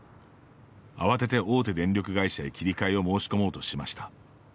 慌てて大手電力会社へ切り替えを申し込もうとしました。